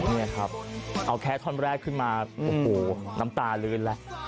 นี่ครับเอาแค่ท่อนแรกขึ้นมาโอ้โหน้ำตาลืนแล้ว